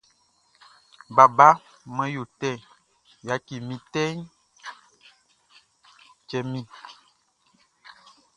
Baba man yo tɛ, yatchi mi tɛ tchɛ mi he.